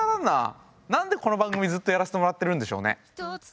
何でこの番組ずっとやらせてもらってるんでしょうね。